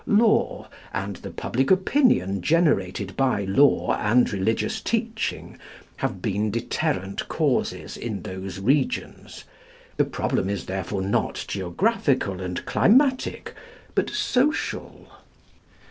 Law, and the public opinion generated by law and religious teaching, have been deterrent causes in those regions. The problem is therefore not geographical and climatic, but social.